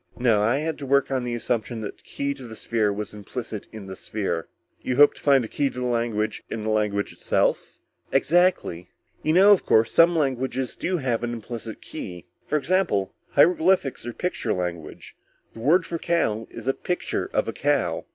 No, I had to work on the assumption that the key to the sphere was implicit in the sphere." "You hoped to find the key to the language in the language itself?" "Exactly. You know, of course, some languages do have an implicit key? For example hieroglyphics or picture language. The word for cow is a picture of a cow."